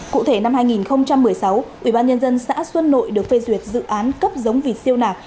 cụ thể năm hai nghìn một mươi sáu ủy ban nhân dân xã xuân nội được phê duyệt dự án cấp giống vịt siêu nạc